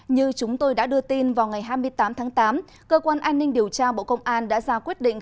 như chúng tôi đã đưa tin vào ngày hai mươi tám tháng tám cơ quan an ninh điều tra bộ công an đã ra quyết định